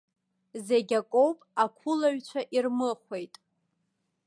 Зегьакоуп ақәылаҩцәа ирмыхәеит.